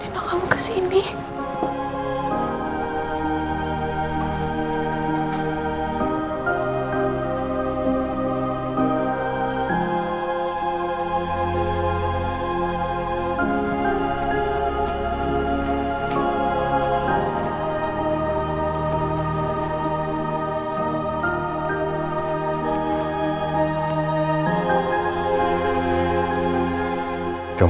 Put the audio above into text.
kamu fragile ke kemanaan industri baru